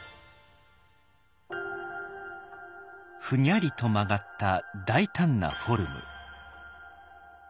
「ふにゃり」と曲がった大胆なフォルム。